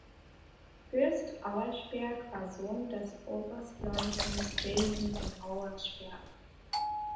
Fürst Auersperg war Sohn des Oberstleutnants Wilhelm von Auersperg.